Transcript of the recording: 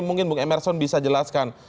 mungkin bung emerson bisa jelaskan